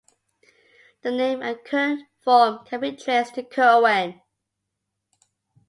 The name and current form can be traced to Curwen.